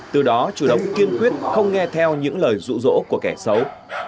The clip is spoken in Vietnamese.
từ đó chủ động kiên quyết không nghe theo những lời rụ rỗ của kẻ xấu